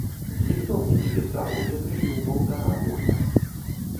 Ніхто мне не пісаў, не тэліў паўтара года.